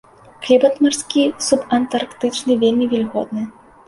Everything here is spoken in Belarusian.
Клімат марскі субантарктычны, вельмі вільготны.